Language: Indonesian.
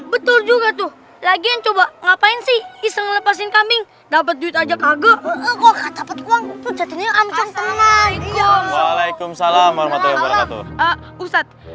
betul juga tuh lagi yang coba ngapain sih iseng lepasin kambing dapat duit aja kaget